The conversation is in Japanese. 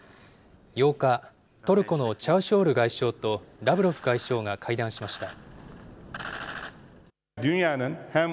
８日、トルコのチャウシュオール外相とラブロフ外相が会談しました。